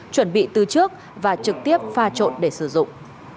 chuẩn bị từ trước và trực tiếp pha trộn để sử dụng